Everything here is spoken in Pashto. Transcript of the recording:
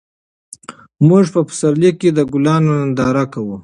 موږ په پسرلي کې د ګلانو ننداره کوو.